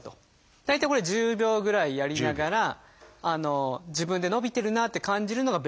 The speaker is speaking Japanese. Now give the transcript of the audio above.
大体これ１０秒ぐらいやりながら自分で伸びてるなあって感じるのがベストです。